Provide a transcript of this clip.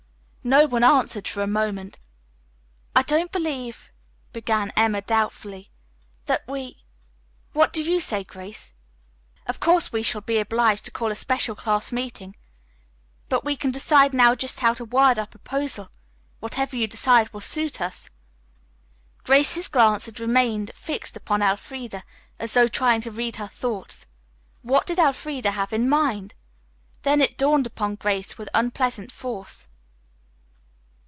No one answered for a moment. "I don't believe," began Emma doubtfully, "that we What do you say, Grace? Of course, we shall be obliged to call a special class meeting, but we can decide now just how to word our proposal. Whatever you decide will suit us." Grace's glance had remained fixed upon Elfreda as though trying to read her thoughts. What did Elfreda have in mind! Then it dawned upon Grace with unpleasant force.